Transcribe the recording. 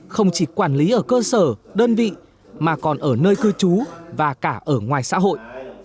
không chỉ quản lý ở cơ sở đơn vị mà còn ở nơi cư trú và cả ở ngoài xã hội